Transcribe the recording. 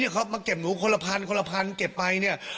เขามาเก็บหนูคนละพันคนละพันเก็บไปเนี่ย